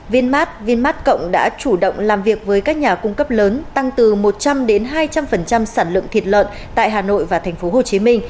vinmart vinmart cộng đã chủ động làm việc với các nhà cung cấp lớn tăng từ một trăm linh hai trăm linh sản lượng thịt lợn tại hà nội và tp hcm